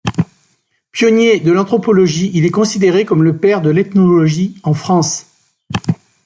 Pionnier de l'anthropologie, il est considéré comme le père de l'ethnologie en France.